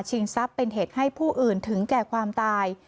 ทรัพย์เป็นเหตุให้ผู้อื่นถึงแก่ความตาย